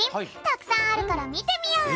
たくさんあるから見てみよう！